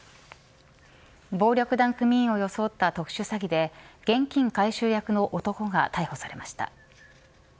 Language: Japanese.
暴力団組員を装った特殊詐欺で現金回収役の男が逮捕されました。